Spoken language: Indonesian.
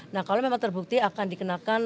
nah kalau memang terbukti akan dikenakan